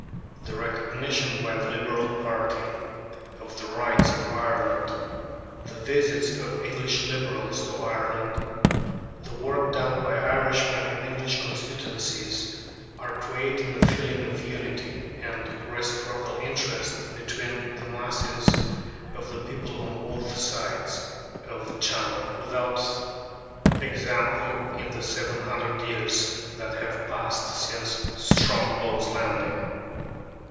The recognition by the Liberal party of the rights of Ireland, the visits of English Liberals to Ireland, the work done by Irishmen in English constituencies, are creating a feeling of unity and reciprocal interest between the masses of the people on both sides of the Channel without example in the seven hundred years that have passed since Strongbow's landing.